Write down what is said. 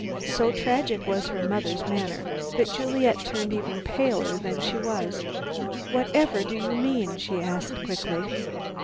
So tragic was her mother's manner, that Juliet turned even paler than she was. "Whatever do you mean?" she asked quickly.